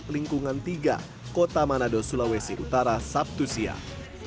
lingkungan tiga kota manado sulawesi utara sabtu siang